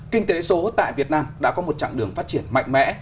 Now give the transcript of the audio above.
kinh tế số tại việt nam đã có một chặng đường phát triển mạnh mẽ